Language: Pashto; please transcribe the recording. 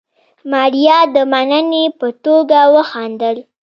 ماريا د مننې په توګه وخندل.